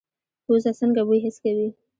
پوزه څنګه بوی حس کوي؟